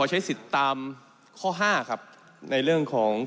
ให้ท่านเสรีก่อน